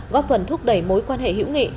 góp phần thúc đẩy mối quan hệ hữu nghị